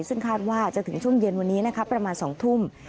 ซึ่งคาดว่าจะถึงช่วงเย็นวันนี้นะคะประมาณ๒ทุ่ม